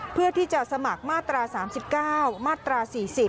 เพื่อที่จะสมัครมาตรา๓๙มาตรา๔๐